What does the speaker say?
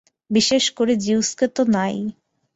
বিশেষ করে জিউসকে তো না-ই।